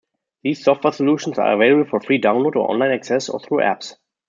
These software solutions are available for free download or online access or through apps.